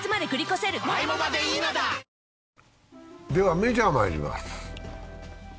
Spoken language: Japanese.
メジャーまいります。